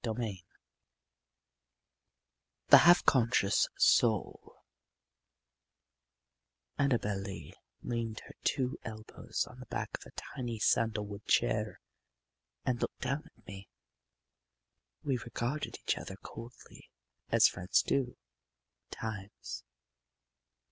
VI THE HALF CONSCIOUS SOUL Annabel Lee leaned her two elbows on the back of a tiny sandalwood chair and looked down at me. We regarded each other coldly, as friends do, times.